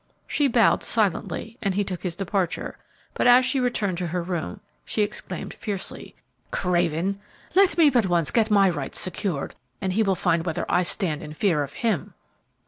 She bowed silently and he took his departure, but as she returned to her room, she exclaimed, fiercely, "Craven! Let me but once get my rights secured, and he will find whether I stand in fear of him!"